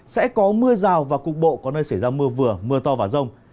sẽ có mưa rào và cục bộ có nơi xảy ra mưa vừa mưa to và rông